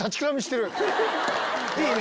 いいね！